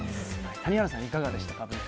谷原さんは、いかがでしたか。